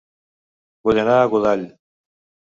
Vull anar a Godall